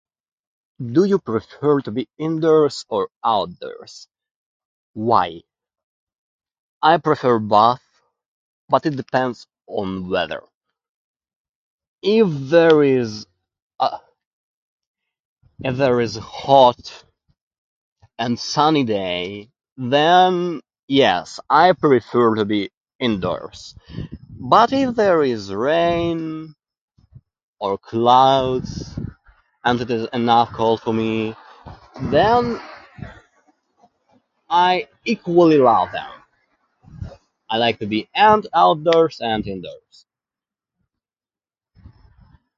Do you prefer to be indoors or outdoors? Why? I prefer both, but it depends on weather. If there is a, if there is hot, and sunny day, then, yes, I prefer to be indoors. But if there is rain, or clouds, and it is enough cold for me, then I equally love them. I like to be and outdoors and indoors.